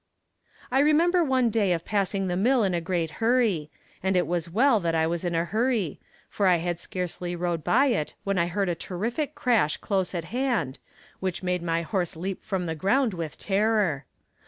I remember one day of passing the mill in a great hurry and it was well that I was in a hurry, for I had scarcely rode by it when I heard a terrific crash close at hand, which made my horse leap from the ground with terror.